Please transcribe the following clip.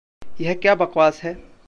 यह क्या बकवास है?